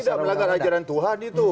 tidak melanggar ajaran tuhan itu